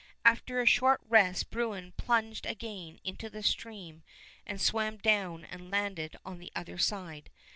After a short rest Bruin plunged again into the stream and swam down and landed on the other side.